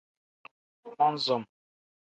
Mon-som.